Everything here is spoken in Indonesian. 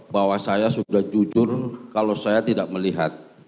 bahwa saya sudah jujur kalau saya tidak melihat